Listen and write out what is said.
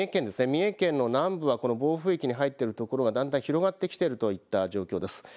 三重県の南部はこの暴風域に入っているところがだんだん広がってきているといった状況です。